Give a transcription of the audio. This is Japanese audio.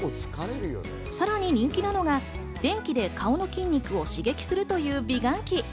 さらに人気なのが電気で顔の筋肉を刺激するという美顔器。